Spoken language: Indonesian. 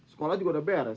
sekolah juga udah beres